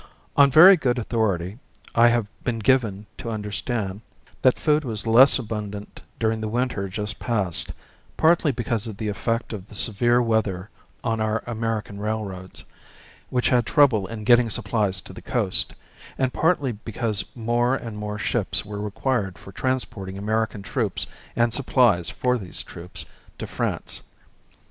On very, good authority I have been given to understand that food was less abundant during the winter just past; partly because of the effect of the severe weather on our American railroads, which had trouble in getting supplies to the coast, and partly because more and more ships were required for transporting American troops and supplies for these troops, to France.